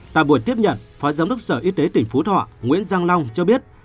tại buổi tiếp nhận phó giám đốc sở y tế tỉnh phú thọ nguyễn giang long cho biết